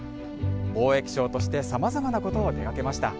貿易商としてさまざまなことを手がけました。